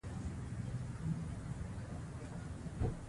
نو دا ټول د الله سبحانه وتعالی د عرش شاوخوا راڅرخي